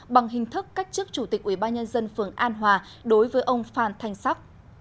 bằng hình thức cách chức chủ tịch ubnd phường an hòa đối với ông phan thanh sắc